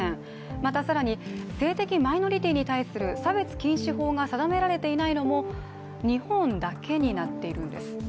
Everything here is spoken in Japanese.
また更に性的マイノリティーに対する差別禁止法が定められていないのも日本だけになっているんです。